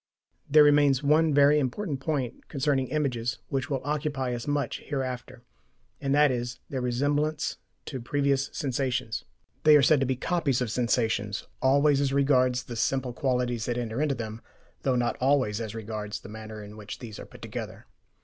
There remains one very important point concerning images, which will occupy us much hereafter, and that is, their resemblance to previous sensations. They are said to be "copies" of sensations, always as regards the simple qualities that enter into them, though not always as regards the manner in which these are put together.